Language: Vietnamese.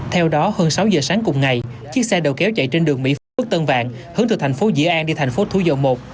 theo đó hơn sáu giờ sáng cùng ngày chiếc xe đầu kéo chạy trên đường mỹ phước tân vàng hướng từ thành phố dĩ an đi thành phố thủ dầu một